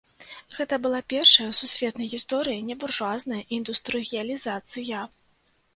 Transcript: Гэта была першая ў сусветнай гісторыі небуржуазная індустрыялізацыя.